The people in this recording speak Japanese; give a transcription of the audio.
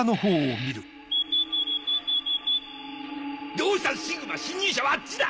どうしたシグマ侵入者はあっちだ！